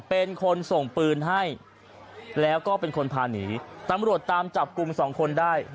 เป็นคนส่งปืนให้แล้วก็เป็นคนพาหนีตำรวจตามจับกลุ่มสองคนได้